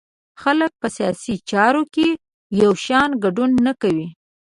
خلک په سیاسي چارو کې یو شان ګډون نه کوي.